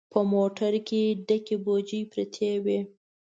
په موټر کې ډکې بوجۍ پرتې وې.